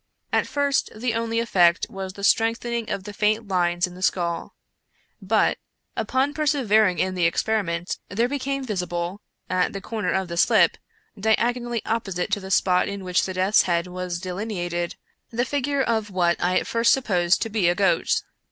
At first, the only effect was the strengthening of the faint lines in the skull ; but, upon persevering in the experiment, there be came visible, at the corner of the slip, diagonally opposite to the spot in which the death's head was delineated, the figure of what I at first supposed to be a goat.